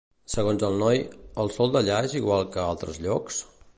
Segons el noi, el sol d'allà és igual que a altres llocs?